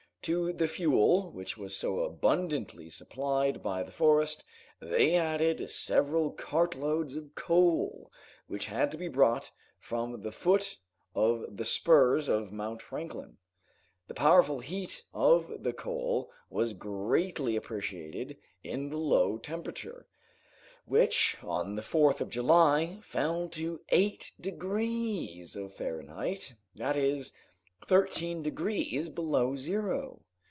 To the fuel which was so abundantly supplied by the forest, they added several cartloads of coal, which had to be brought from the foot of the spurs of Mount Franklin. The powerful heat of the coal was greatly appreciated in the low temperature, which on the 4th of July fell to eight degrees of Fahrenheit, that is, thirteen degrees below zero.